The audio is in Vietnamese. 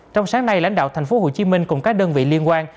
trong sáng nay lãnh đạo thành phố hồ chí minh cùng các đơn vị liên quan